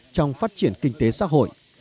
trong phát triển kinh tế xã hội